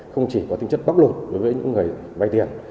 không chỉ có tính chất bóc lột đối với những người vay tiền